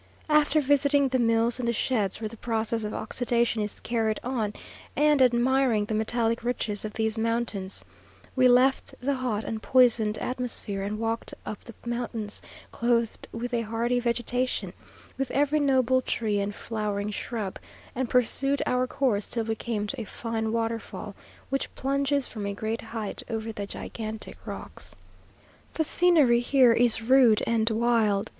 After visiting the mills and the sheds where the process of oxidation is carried on, and admiring the metallic riches of these mountains, we left the hot and poisoned atmosphere, and walked up the mountains clothed with a hardy vegetation with every noble tree and flowering shrub and pursued our course till we came to a fine waterfall, which plunges from a great height over the gigantic rocks. The scenery here is rude and wild.